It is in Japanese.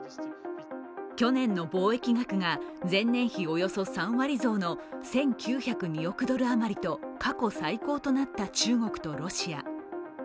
去年の貿易額が前年比およそ３割増の１９０２億ドルあまりと過去最高となった中国とロシア。